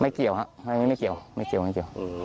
เกี่ยวครับไม่เกี่ยวไม่เกี่ยวไม่เกี่ยว